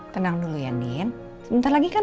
tenang dulu ya nin sebentar lagi kan